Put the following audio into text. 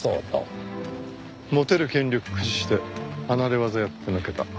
持てる権力駆使して離れ業やってのけた。